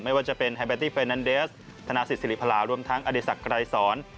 ไม่ว่าจะเป็นไฮเบตี้เฟนันเดสธนาศิษศิริพลารวมทั้งอดีศักดิ์ไกรสอน